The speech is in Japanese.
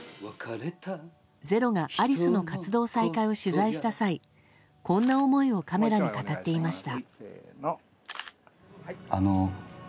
「ｚｅｒｏ」がアリスの活動再開を取材した際こんな思いをカメラに語っていました。